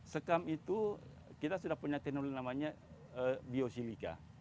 sekam itu kita sudah punya teknologi namanya biosimika